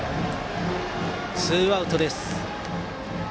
ツーアウトです。